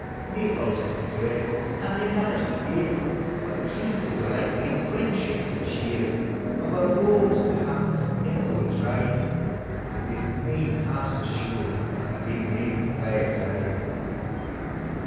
Nae falsehood to dread, and nae malice to fear, But truth to delight me, aud friendship to cheer; Of a' roads to happiness ever were tried, There 's nane half so sure as ane's ain fireside.